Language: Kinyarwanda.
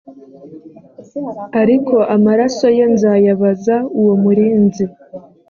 ariko amaraso ye nzayabaza uwo murinzi